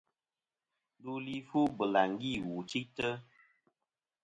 Ndu li fu bɨlàŋgi wù chɨytɨ.